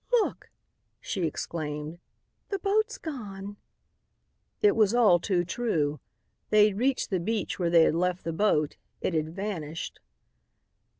"Look!" she exclaimed. "The boat's gone!" It was all too true. They had reached the beach where they had left the boat. It had vanished.